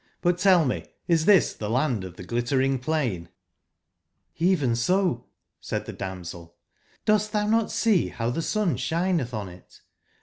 But tell me, is tbis tbe Land of tbe Glittering plain P^j^'^Bven so/' said tbe damsel, ''dost tbou not see bow tbe sun sbinetb on it?